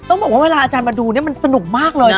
ต้องบอกว่าเวลาอาจารย์มาดูเนี่ยมันสนุกมากเลย